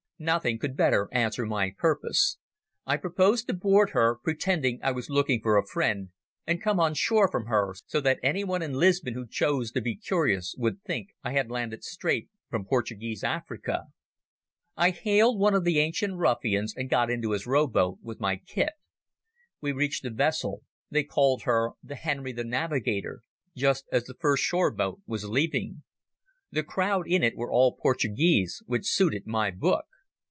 Nothing could better answer my purpose. I proposed to board her, pretending I was looking for a friend, and come on shore from her, so that anyone in Lisbon who chose to be curious would think I had landed straight from Portuguese Africa. I hailed one of the adjacent ruffians, and got into his rowboat, with my kit. We reached the vessel—they called her the Henry the Navigator—just as the first shore boat was leaving. The crowd in it were all Portuguese, which suited my book.